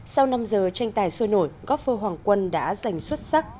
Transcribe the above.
sau năm giờ tranh tài sôi nổi góp phơ hoàng quân đã giành xuất sắc